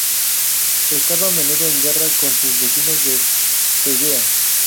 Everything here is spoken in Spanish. Estaba a menudo en guerra con sus vecinos de Tegea.